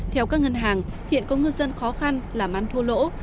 theo các ngân hàng hiện có ngư dân khó khăn làm ăn thua lỗ